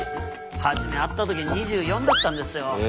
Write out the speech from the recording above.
初め会った時２４だったんですよ。